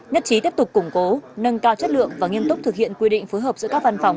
nhất trí tiếp tục củng cố nâng cao chất lượng và nghiêm túc thực hiện quy định phối hợp giữa các văn phòng